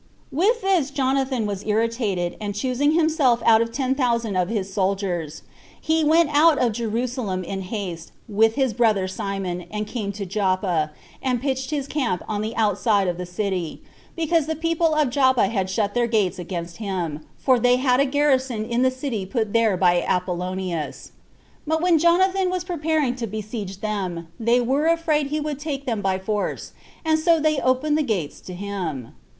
4. With this Jonathan was irritated; and choosing himself out ten thousand of his soldiers, he went out of Jerusalem in haste, with his brother Simon, and came to Joppa, and pitched his camp on the outside of the city, because the people of Joppa had shut their gates against him, for they had a garrison in the city put there by Apollonius. But when Jonathan was preparing to besiege them, they were afraid he would take them by force, and so they opened the gates to him.